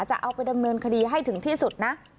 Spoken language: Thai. จะเอาไปดำเนินคดีให้ถึงที่สุดนะ